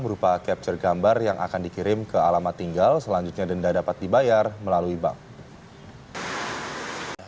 berupa capture gambar yang akan dikirim ke alamat tinggal selanjutnya denda dapat dibayar melalui bank